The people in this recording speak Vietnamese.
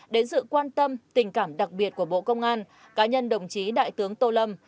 đến sự quan tâm tình cảm đặc biệt của bộ công an cá nhân đồng chí đại tướng tô lâm